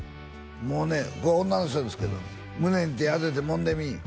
もうねこれ女の人ですけど胸に手当ててもんでみい